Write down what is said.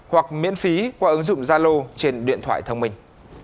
hoặc miễn phí qua ứng dụng gia lô trên điện thoại thông minh